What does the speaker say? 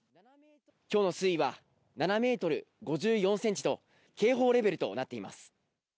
きょうの水位は７メートル５４センチと、警報レベルとなっています。